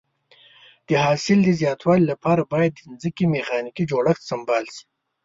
د حاصل د زیاتوالي لپاره باید د ځمکې میخانیکي جوړښت سمبال شي.